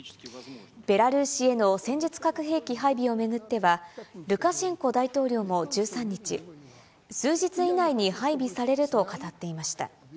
ベラルーシへの戦術核兵器配備を巡っては、ルカシェンコ大統領も１３日、数日以内に配備されると語っていました。